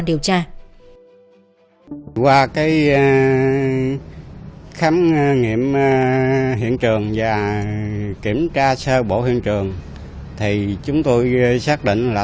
điều này cũng góp phần